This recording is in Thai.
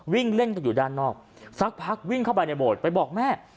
วิ่งเล่นกันอยู่ด้านนอกสักพักวิ่งเข้าไปในโบสถ์ไปบอกแม่